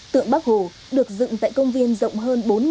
tượng bắc hồ được dựng tại công viên rộng hơn bốn bảy trăm linh m hai